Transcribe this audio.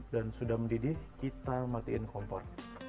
dan sudah mendidih kita matikan kompor